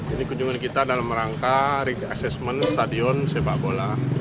ini kunjungan kita dalam rangka rig assessment stadion sepak bola